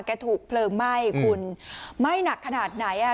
ถูกเพลิงไหม้คุณไหม้หนักขนาดไหนอ่ะ